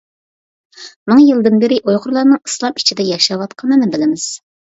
مىڭ يىلدىن بېرى ئۇيغۇرلارنىڭ ئىسلام ئىچىدە ياشاۋاتقىنىنى بىلىمىز.